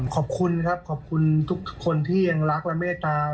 ขอบคุณครับขอบคุณทุกคนที่ยังรักและเมตตา